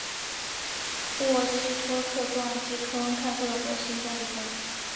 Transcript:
沃斯托克撞击坑探测的火星撞击坑。